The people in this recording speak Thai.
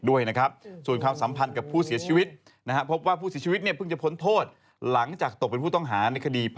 ด้วยนะครับส่วนความสัมพันธ์